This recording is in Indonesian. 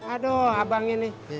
aduh abang ini